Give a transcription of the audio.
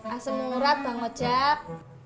asam murad bang ojak